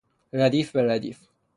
ردیف به ردیف